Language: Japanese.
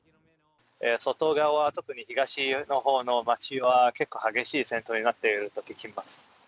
外側、特に東のほうの町は、結構、激しい戦闘になっていると聞きます。